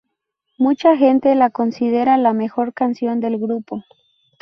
Mucha gente la considera la mejor canción del grupo.